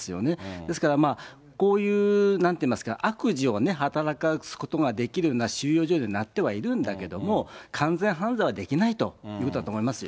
ですから、こういう、なんといいますか、悪事を働くことができるような収容所になってはいるんだけど、完全犯罪はできないということだと思いますよ。